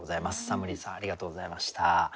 さむりぃさんありがとうございました。